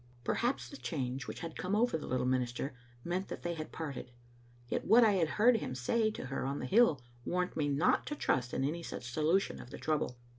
Perhaps the change which had come over the little minister meant that they had parted. Yet what I had heard him say to her on the hill warned me not to trust in any such solution of the trouble.